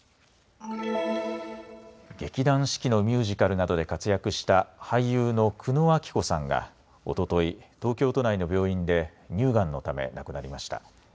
劇団四季のミュージカルなどで活躍した俳優の久野綾希子さんがおととい、東京都内の病院で乳がんのため亡くなりました。